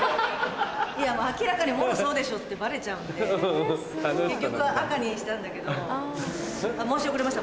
いや明らかにもろそうでしょってバレちゃうんで結局赤にしたんだけどあっ申し遅れました。